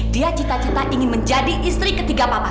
dia cita cita ingin menjadi istri ketiga papa